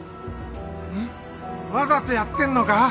ん？わざとやってんのか？